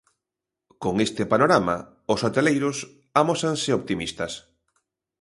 Con este panorama, os hoteleiros amósanse optimistas.